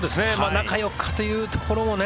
中４日というところもね。